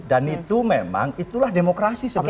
dan itu memang itulah demokrasi sebetulnya